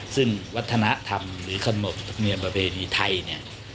ซึ่งวัฒนธรรมหรือคณะประเภทในไทย